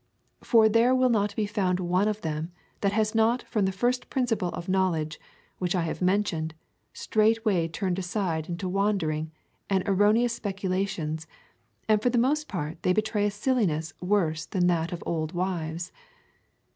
For there will not be found one of them, that has not from that first principle of knowledge, which I have mentioned, straightway turned aside into wandering^ and erroneous speculations, and for the most part they betray a silliness worse than that of old wives.